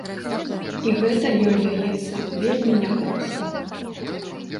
І гэта ёй даецца вельмі няпроста.